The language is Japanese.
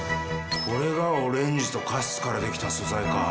これがオレンジとカシスからできた素材かぁ。